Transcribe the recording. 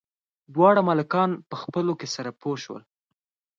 دواړه ملکان په خپلو کې سره پوه شول.